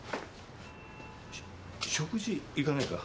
食事行かないか？